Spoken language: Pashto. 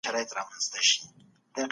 د بدن قوت لپاره لبنیات اړین دي.